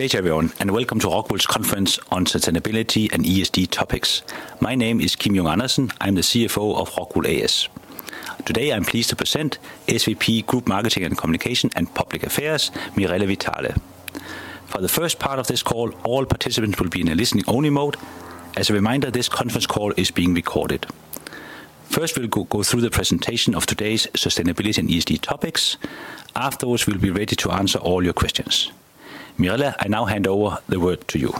Good day, everyone, and welcome to Rockwool's conference on sustainability and ESG topics. My name is Kim Junge Andersen. I'm the CFO of Rockwool A/S. Today I'm pleased to present SVP Group Marketing and Communications and Public Affairs, Mirella Vitale. For the first part of this call, all participants will be in a listening-only mode. As a reminder, this conference call is being recorded. First, we'll go through the presentation of today's sustainability and ESG topics. Afterwards, we'll be ready to answer all your questions. Mirella, I now hand over the word to you.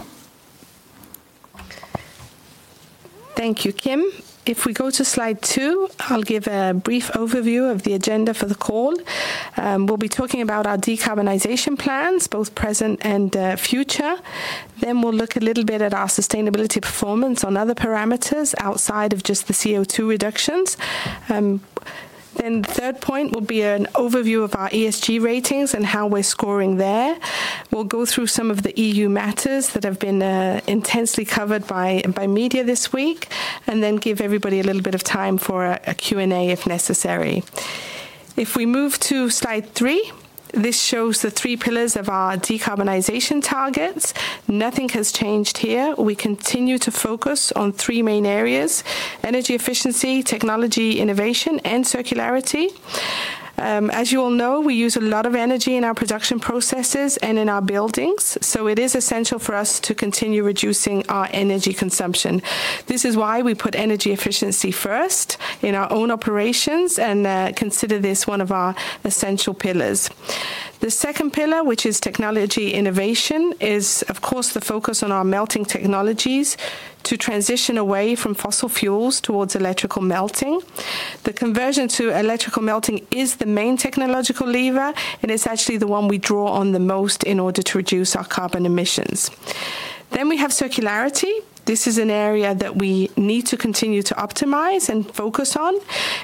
Thank you, Kim. If we go to slide two, I'll give a brief overview of the agenda for the call. We'll be talking about our decarbonization plans, both present and future. Then we'll look a little bit at our sustainability performance on other parameters outside of just the CO2 reductions. Then the third point will be an overview of our ESG ratings and how we're scoring there. We'll go through some of the EU matters that have been intensely covered by media this week, and then give everybody a little bit of time for a Q&A if necessary. If we move to slide three, this shows the three pillars of our decarbonization targets. Nothing has changed here. We continue to focus on three main areas: energy efficiency, technology innovation, and circularity. As you all know, we use a lot of energy in our production processes and in our buildings, so it is essential for us to continue reducing our energy consumption. This is why we put energy efficiency first in our own operations and consider this one of our essential pillars. The second pillar, which is technology innovation, is, of course, the focus on our melting technologies to transition away from fossil fuels towards electrical melting. The conversion to electrical melting is the main technological lever, and it's actually the one we draw on the most in order to reduce our carbon emissions. Then we have circularity. This is an area that we need to continue to optimize and focus on.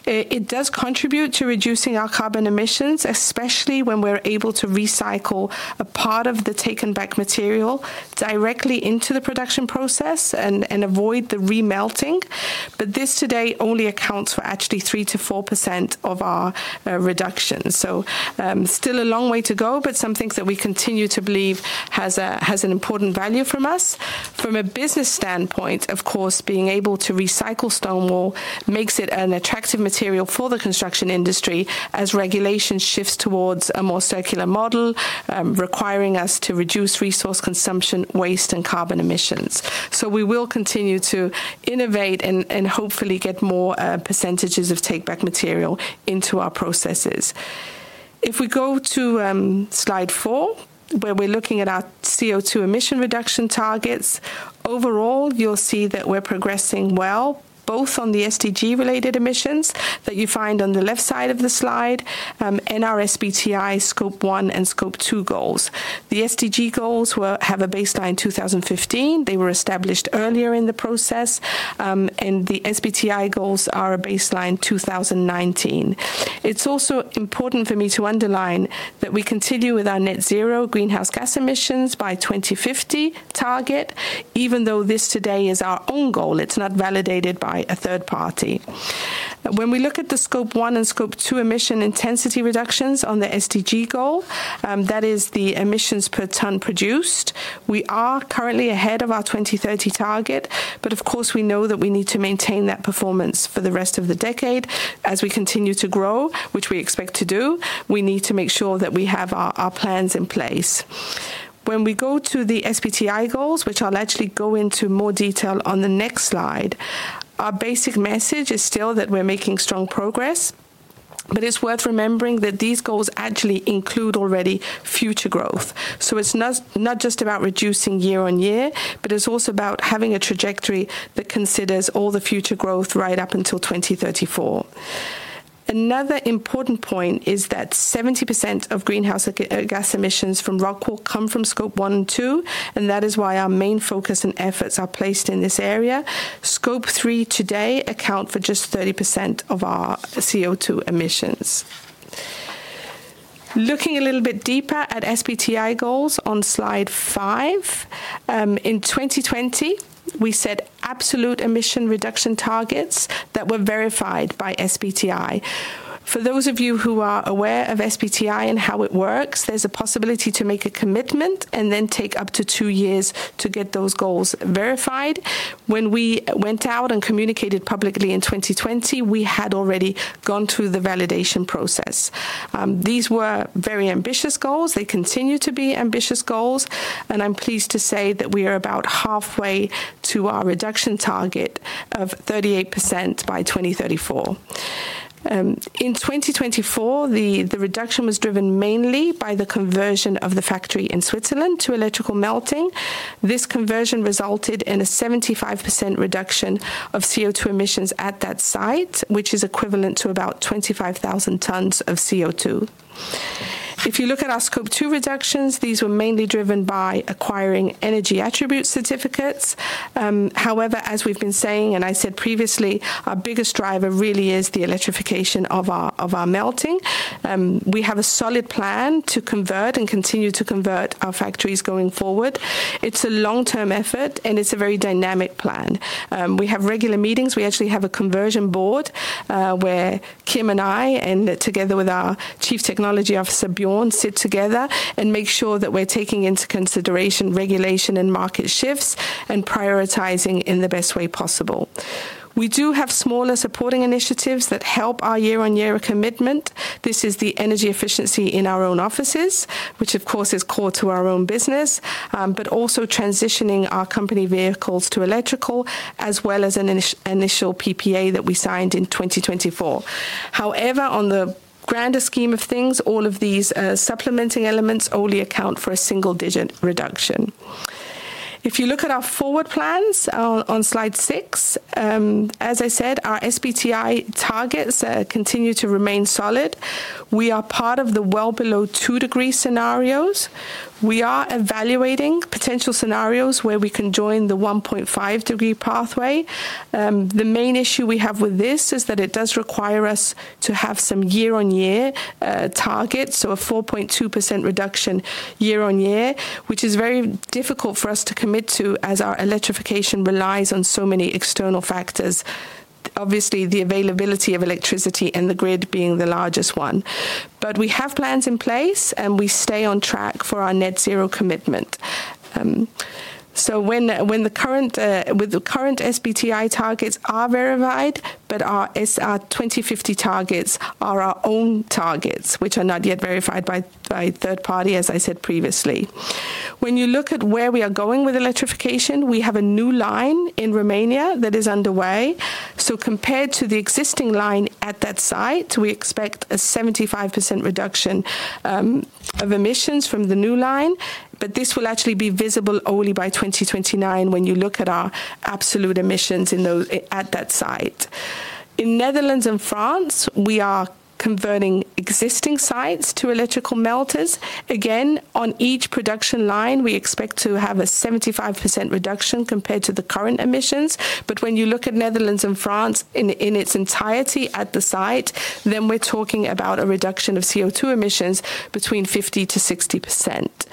It does contribute to reducing our carbon emissions, especially when we're able to recycle a part of the taken-back material directly into the production process and avoid the remelting. But this today only accounts for actually 3%-4% of our reduction. So still a long way to go, but some things that we continue to believe have an important value for us. From a business standpoint, of course, being able to recycle stone wool makes it an attractive material for the construction industry as regulation shifts towards a more circular model, requiring us to reduce resource consumption, waste, and carbon emissions. So we will continue to innovate and hopefully get more percentages of take-back material into our processes. If we go to slide four, where we're looking at our CO2 emission reduction targets, overall, you'll see that we're progressing well, both on the SDG-related emissions that you find on the left side of the slide and our SBTi Scope 1 and Scope 2 goals. The SDG goals have a baseline 2015. They were established earlier in the process, and the SBTi goals are a baseline 2019. It's also important for me to underline that we continue with our net zero greenhouse gas emissions by 2050 target, even though this today is our own goal. It's not validated by a third party. When we look at the Scope 1 and Scope 2 emission intensity reductions on the SDG goal, that is the emissions per ton produced, we are currently ahead of our 2030 target, but of course, we know that we need to maintain that performance for the rest of the decade as we continue to grow, which we expect to do. We need to make sure that we have our plans in place. When we go to the SBTi goals, which I'll actually go into more detail on the next slide, our basic message is still that we're making strong progress, but it's worth remembering that these goals actually include already future growth. So it's not just about reducing year on year, but it's also about having a trajectory that considers all the future growth right up until 2034. Another important point is that 70% of greenhouse gas emissions from Rockwool come from Scope 1 and 2, and that is why our main focus and efforts are placed in this area. Scope 3 today accounts for just 30% of our CO2 emissions. Looking a little bit deeper at SBTi goals on slide five, in 2020, we set absolute emission reduction targets that were verified by SBTi. For those of you who are aware of SBTi and how it works, there's a possibility to make a commitment and then take up to two years to get those goals verified. When we went out and communicated publicly in 2020, we had already gone through the validation process. These were very ambitious goals. They continue to be ambitious goals, and I'm pleased to say that we are about halfway to our reduction target of 38% by 2034. In 2024, the reduction was driven mainly by the conversion of the factory in Switzerland to electrical melting. This conversion resulted in a 75% reduction of CO2 emissions at that site, which is equivalent to about 25,000 tons of CO2. If you look at our scope two reductions, these were mainly driven by acquiring energy attribute certificates. However, as we've been saying, and I said previously, our biggest driver really is the electrification of our melting. We have a solid plan to convert and continue to convert our factories going forward. It's a long-term effort, and it's a very dynamic plan. We have regular meetings. We actually have a conversion board where Kim and I, and together with our Chief Technology Officer, Bjørn, sit together and make sure that we're taking into consideration regulation and market shifts and prioritizing in the best way possible. We do have smaller supporting initiatives that help our year-on-year commitment. This is the energy efficiency in our own offices, which of course is core to our own business, but also transitioning our company vehicles to electrical, as well as an initial PPA that we signed in 2024. However, on the grander scheme of things, all of these supplementing elements only account for a single-digit reduction. If you look at our forward plans on slide six, as I said, our SBTi targets continue to remain solid. We are part of the well below two degree scenarios. We are evaluating potential scenarios where we can join the 1.5 degree pathway. The main issue we have with this is that it does require us to have some year-on-year targets, so a 4.2% reduction year-on-year, which is very difficult for us to commit to as our electrification relies on so many external factors. Obviously, the availability of electricity and the grid being the largest one. But we have plans in place, and we stay on track for our net zero commitment. So when the current SBTi targets are verified, but our 2050 targets are our own targets, which are not yet verified by third party, as I said previously. When you look at where we are going with electrification, we have a new line in Romania that is underway. So compared to the existing line at that site, we expect a 75% reduction of emissions from the new line, but this will actually be visible only by 2029 when you look at our absolute emissions at that site. In Netherlands and France, we are converting existing sites to electrical melters. Again, on each production line, we expect to have a 75% reduction compared to the current emissions. But when you look at Netherlands and France in its entirety at the site, then we're talking about a reduction of CO2 emissions between 50%-60%.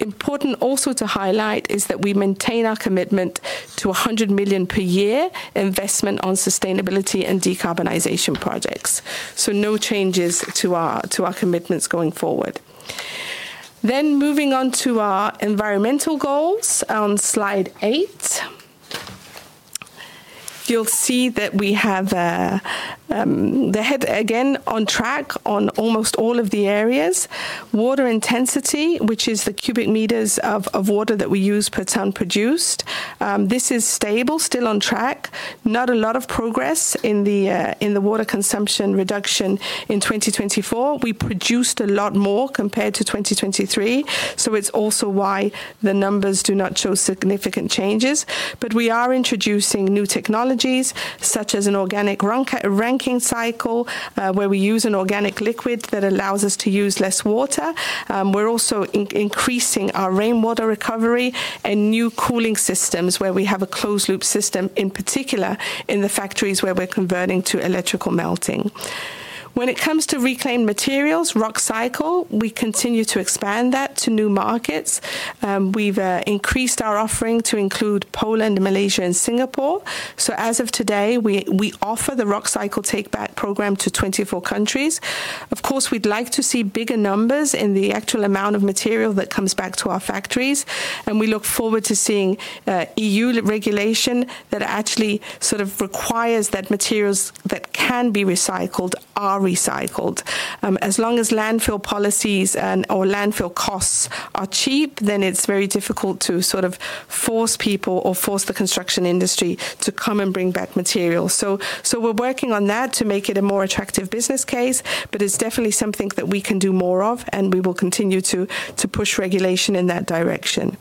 Important also to highlight is that we maintain our commitment to 100 million per year investment on sustainability and decarbonization projects, so no changes to our commitments going forward. Then moving on to our environmental goals on slide eight, you'll see that we're ahead again on track on almost all of the areas. Water intensity, which is the cubic meters of water that we use per ton produced, this is stable, still on track. Not a lot of progress in the water consumption reduction in 2024. We produced a lot more compared to 2023, so it's also why the numbers do not show significant changes. But we are introducing new technologies such as an Organic Rankine Cycle where we use an organic liquid that allows us to use less water. We're also increasing our rainwater recovery and new cooling systems where we have a closed-loop system in particular in the factories where we're converting to electrical melting. When it comes to reclaimed materials, Rockcycle, we continue to expand that to new markets. We've increased our offering to include Poland, Malaysia, and Singapore. So as of today, we offer the Rockcycle take-back program to 24 countries. Of course, we'd like to see bigger numbers in the actual amount of material that comes back to our factories, and we look forward to seeing EU regulation that actually sort of requires that materials that can be recycled are recycled. As long as landfill policies or landfill costs are cheap, then it's very difficult to sort of force people or force the construction industry to come and bring back material. We're working on that to make it a more attractive business case, but it's definitely something that we can do more of, and we will continue to push regulation in that direction.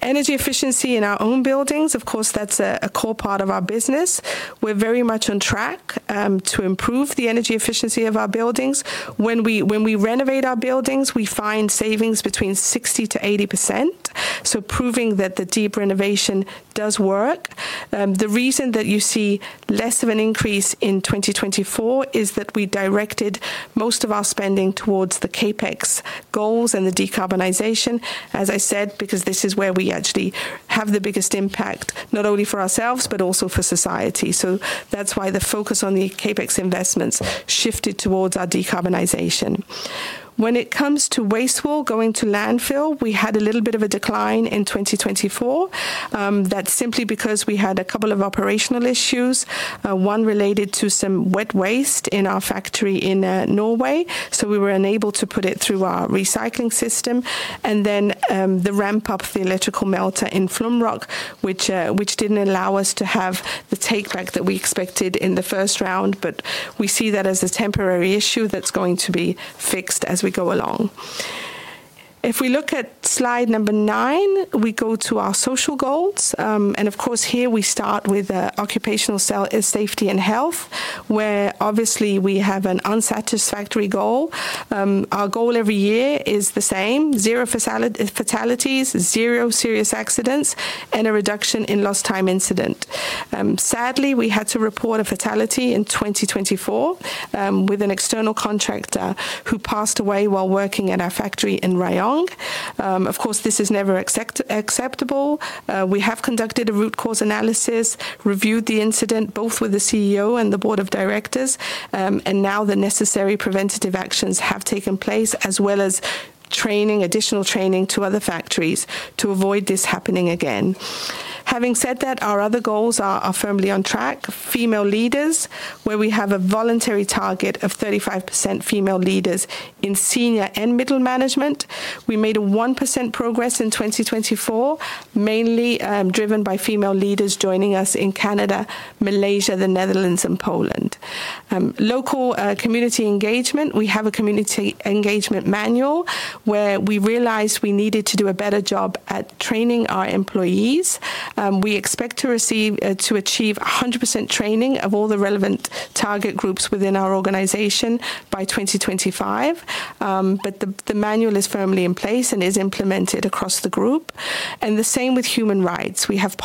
Energy efficiency in our own buildings, of course, that's a core part of our business. We're very much on track to improve the energy efficiency of our buildings. When we renovate our buildings, we find savings between 60%-80%, so proving that the deep renovation does work. The reason that you see less of an increase in 2024 is that we directed most of our spending towards the CapEx goals and the decarbonization, as I said, because this is where we actually have the biggest impact, not only for ourselves, but also for society. That's why the focus on the CapEx investments shifted towards our decarbonization. When it comes to wastewater going to landfill, we had a little bit of a decline in 2024. That's simply because we had a couple of operational issues, one related to some wet waste in our factory in Norway, so we were unable to put it through our recycling system. And then the ramp-up of the electrical melter in Flumroc, which didn't allow us to have the take-back that we expected in the first round, but we see that as a temporary issue that's going to be fixed as we go along. If we look at slide number nine, we go to our social goals. And of course, here we start with occupational safety and health, where obviously we have an unsatisfactory goal. Our goal every year is the same: zero fatalities, zero serious accidents, and a reduction in lost-time incident. Sadly, we had to report a fatality in 2024 with an external contractor who passed away while working at our factory in Rayong. Of course, this is never acceptable. We have conducted a root cause analysis, reviewed the incident both with the CEO and the Board of Directors, and now the necessary preventative actions have taken place, as well as additional training to other factories to avoid this happening again. Having said that, our other goals are firmly on track: female leaders, where we have a voluntary target of 35% female leaders in senior and middle management. We made a 1% progress in 2024, mainly driven by female leaders joining us in Canada, Malaysia, the Netherlands, and Poland. Local community engagement. We have a community engagement manual where we realized we needed to do a better job at training our employees. We expect to achieve 100% training of all the relevant target groups within our organization by 2025, but the manual is firmly in place and is implemented across the group. And the same with human rights. We have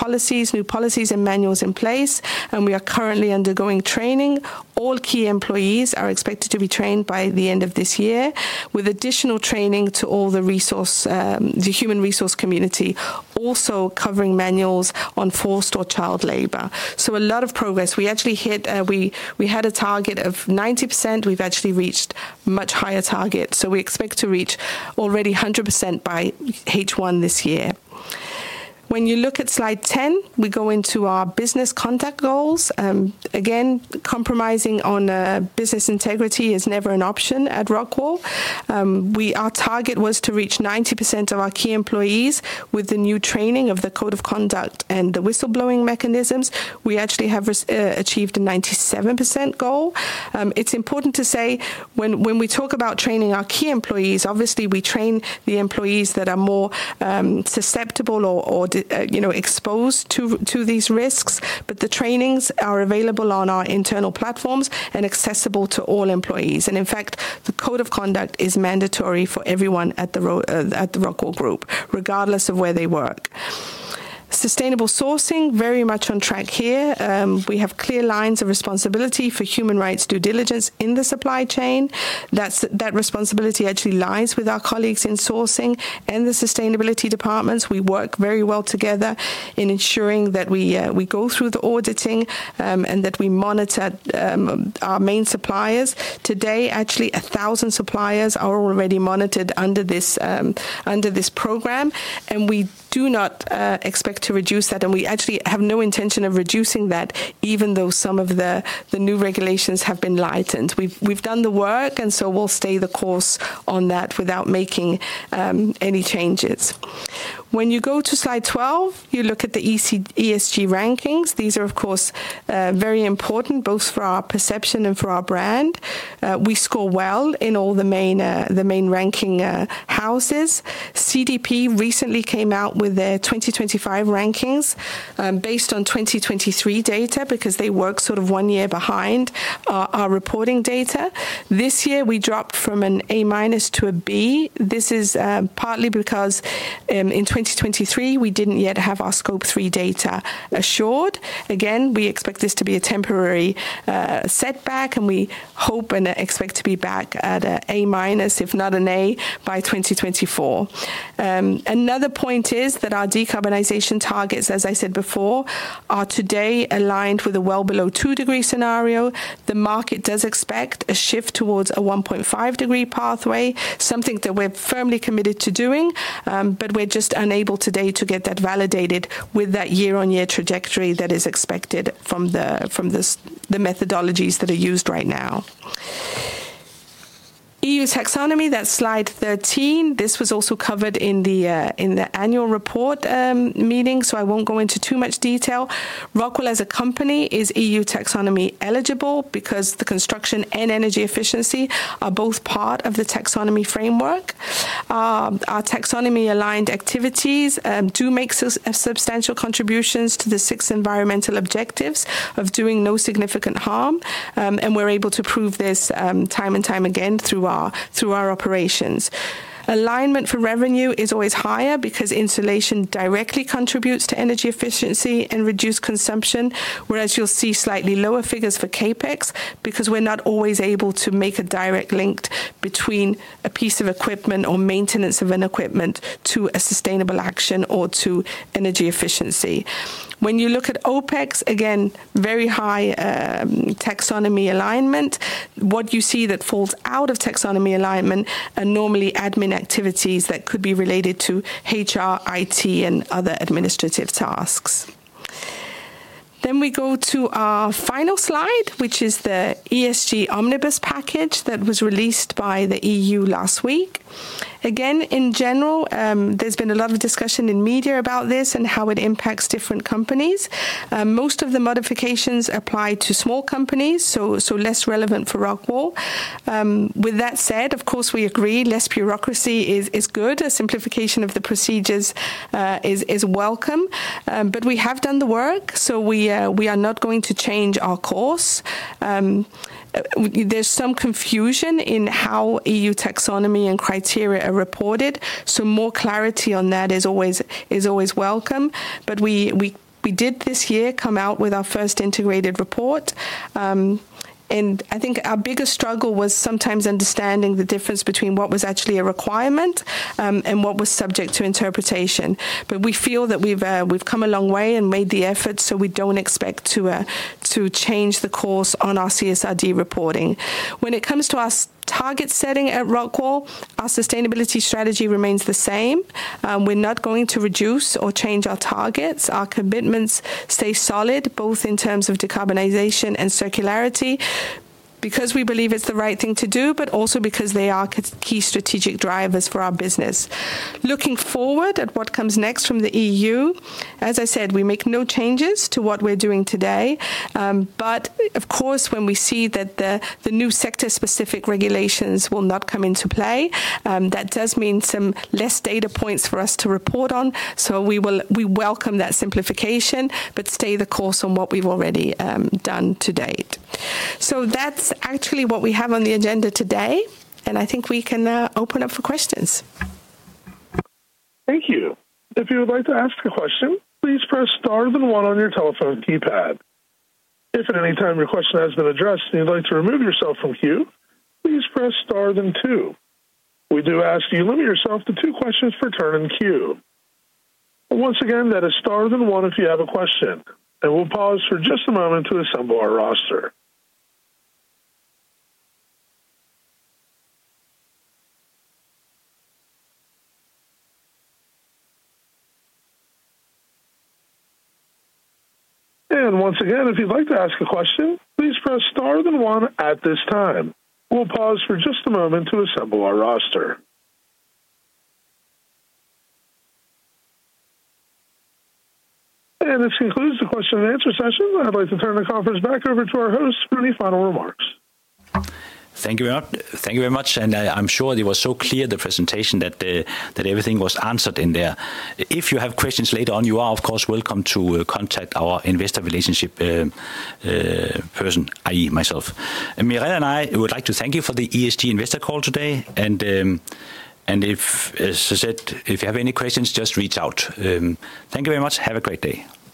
new policies and manuals in place, and we are currently undergoing training. All key employees are expected to be trained by the end of this year, with additional training to all the human resource community, also covering manuals on forced or child labor. So a lot of progress. We actually had a target of 90%. We've actually reached a much higher target. So we expect to reach already 100% by H1 this year. When you look at slide 10, we go into our business conduct goals. Again, compromising on business integrity is never an option at Rockwool. Our target was to reach 90% of our key employees with the new training of the Code of Conduct and the whistleblowing mechanisms. We actually have achieved a 97% goal. It's important to say when we talk about training our key employees, obviously we train the employees that are more susceptible or exposed to these risks, but the trainings are available on our internal platforms and accessible to all employees. And in fact, the Code of Conduct is mandatory for everyone at the Rockwool Group, regardless of where they work. Sustainable sourcing, very much on track here. We have clear lines of responsibility for human rights due diligence in the supply chain. That responsibility actually lies with our colleagues in sourcing and the sustainability departments. We work very well together in ensuring that we go through the auditing and that we monitor our main suppliers. Today, actually, 1,000 suppliers are already monitored under this program, and we do not expect to reduce that, and we actually have no intention of reducing that, even though some of the new regulations have been lightened. We've done the work, and so we'll stay the course on that without making any changes. When you go to slide 12, you look at the ESG rankings. These are, of course, very important both for our perception and for our brand. We score well in all the main ranking houses. CDP recently came out with their 2025 rankings based on 2023 data because they work sort of one year behind our reporting data. This year, we dropped from an A- to a B. This is partly because in 2023, we didn't yet have our Scope 3 data assured. Again, we expect this to be a temporary setback, and we hope and expect to be back at an A-, if not an A, by 2024. Another point is that our decarbonization targets, as I said before, are today aligned with a well below two degree scenario. The market does expect a shift towards a 1.5 degree pathway, something that we're firmly committed to doing, but we're just unable today to get that validated with that year-on-year trajectory that is expected from the methodologies that are used right now. EU Taxonomy, that's slide 13. This was also covered in the annual report meeting, so I won't go into too much detail. Rockwool, as a company, is EU Taxonomy eligible because the construction and energy efficiency are both part of the taxonomy framework. Our taxonomy-aligned activities do make substantial contributions to the six environmental objectives of doing no significant harm, and we're able to prove this time and time again through our operations. Alignment for revenue is always higher because insulation directly contributes to energy efficiency and reduced consumption, whereas you'll see slightly lower figures for CapEx because we're not always able to make a direct link between a piece of equipment or maintenance of an equipment to a sustainable action or to energy efficiency. When you look at OpEx, again, very high taxonomy alignment. What you see that falls out of taxonomy alignment are normally admin activities that could be related to HR, IT, and other administrative tasks. Then we go to our final slide, which is the ESG Omnibus package that was released by the EU last week. Again, in general, there's been a lot of discussion in media about this and how it impacts different companies. Most of the modifications apply to small companies, so less relevant for Rockwool. With that said, of course, we agree less bureaucracy is good. A simplification of the procedures is welcome, but we have done the work, so we are not going to change our course. There's some confusion in how EU Taxonomy and criteria are reported, so more clarity on that is always welcome. But we did this year come out with our first integrated report, and I think our biggest struggle was sometimes understanding the difference between what was actually a requirement and what was subject to interpretation. But we feel that we've come a long way and made the effort, so we don't expect to change the course on our CSRD reporting. When it comes to our target setting at Rockwool, our sustainability strategy remains the same. We're not going to reduce or change our targets. Our commitments stay solid both in terms of decarbonization and circularity because we believe it's the right thing to do, but also because they are key strategic drivers for our business. Looking forward at what comes next from the EU, as I said, we make no changes to what we're doing today. But of course, when we see that the new sector-specific regulations will not come into play, that does mean some less data points for us to report on. So we welcome that simplification but stay the course on what we've already done to date. So that's actually what we have on the agenda today, and I think we can open up for questions. Thank you. If you would like to ask a question, please press star then one on your telephone keypad. If at any time your question has been addressed and you'd like to remove yourself from queue, please press star then two. We do ask that you limit yourself to two questions per turn in queue. Once again, that is star then one if you have a question. And we'll pause for just a moment to assemble our roster. And once again, if you'd like to ask a question, please press star then one at this time. We'll pause for just a moment to assemble our roster. And this concludes the question-and-answer session. I'd like to turn the conference back over to our hosts for any final remarks. Thank you very much. And I'm sure it was so clear, the presentation, that everything was answered in there. If you have questions later on, you are, of course, welcome to contact our investor relationship person, i.e., myself. Mirella and I would like to thank you for the ESG investor call today. And as I said, if you have any questions, just reach out. Thank you very much. Have a great day.